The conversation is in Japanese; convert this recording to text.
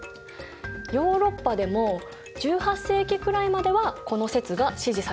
ヨーロッパでも１８世紀くらいまではこの説が支持されていたんだ。